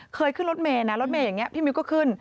ขึ้นรถเมย์นะรถเมย์อย่างนี้พี่มิวก็ขึ้น